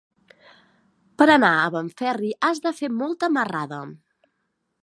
Per anar a Benferri has de fer molta marrada.